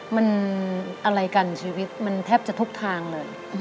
มันอะไรกันชีวิตมันแทบจะทุกทางเลย